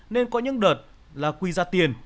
nên có những đợt là quy ra tiền